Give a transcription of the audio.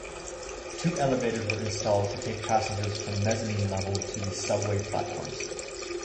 Two elevators were installed to take passengers from mezzanine level to the subway platforms.